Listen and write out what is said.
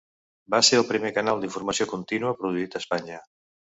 Va ser el primer canal d'informació contínua produït a Espanya.